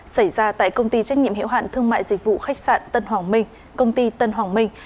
xảy ra tại công ty trách nhiệm hiệu hạn thương mại dịch vụ khách sạn tân hoàng minh công ty tân hoàng minh